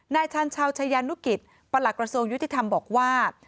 ชันชาวชายานุกิจประหลักกระทรวงยุติธรรมบอกว่า